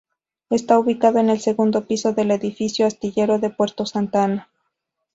Está ubicado en el segundo piso del edificio Astillero de Puerto Santa Ana.